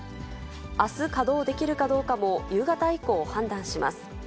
あす、稼働できるかどうかも夕方以降、判断します。